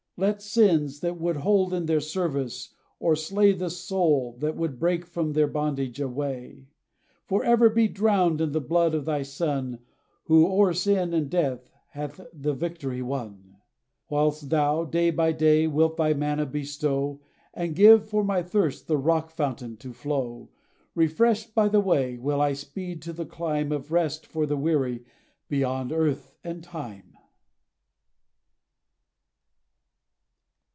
Let sins, that would hold in their service, or slay The soul, that would break from their bondage away, Forever be drowned in the blood of thy Son, Who o'er sin and death hath the victory won. Whilst thou, day by day, wilt thy manna bestow, And give, for my thirst, the Rock fountain to flow, Refreshed by the way, will I speed to the clime Of rest for the weary, beyond earth and time.